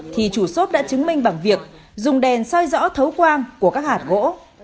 thì chủ sốt đã chứng minh bằng việc dùng đèn xoay rõ thấu quang của các hạt gỗ